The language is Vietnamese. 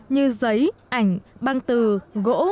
như giấy ảnh băng từ gỗ